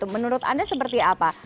menurut anda seperti apa